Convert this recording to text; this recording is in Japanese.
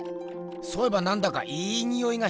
そういえばなんだかいいにおいがしてきた気が。